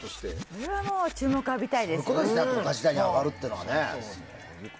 それはもう注目を浴びたいですよ。